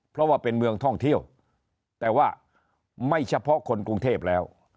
เพราะว่าเป็นเมืองท่องเที่ยวแต่ว่าไม่เฉพาะคนกรุงเทพแล้ว